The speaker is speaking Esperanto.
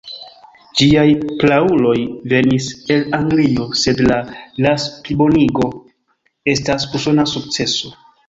Ĝiaj prauloj venis el Anglio, sed la ras-plibonigo estas usona sukceso.